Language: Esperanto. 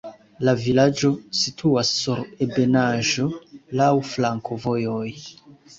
La vilaĝo situas sur ebenaĵo, laŭ flankovojoj.